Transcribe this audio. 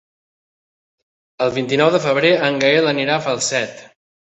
El vint-i-nou de febrer en Gaël anirà a Falset.